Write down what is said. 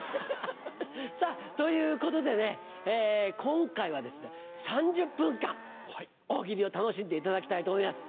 さぁということでね今回は３０分間大喜利を楽しんでいただきたいと思います。